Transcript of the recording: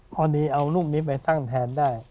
พอดีเอารูปนี้ไปตั้งแทนได้